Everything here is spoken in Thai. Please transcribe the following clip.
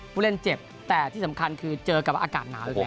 ผู้เล่นเจ็บแต่ที่สำคัญคือเจอกับอากาศหนาวเหลือเกิน